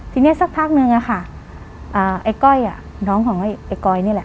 ทีนี้สักพักนึงอะค่ะไอ้ก้อยน้องของไอ้ก้อยนี่แหละ